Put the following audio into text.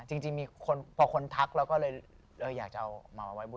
จริงพอคนทักเราก็เลยอยากจะเอามาบูชา